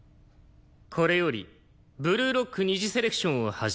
これよりブルーロック二次セレクションを始める。